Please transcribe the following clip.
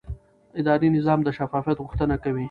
اداري نظام د شفافیت غوښتنه کوي.